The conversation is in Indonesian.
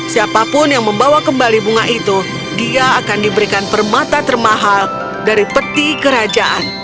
siapapun yang membawa kembali bunga itu dia akan diberikan permata termahal dari peti kerajaan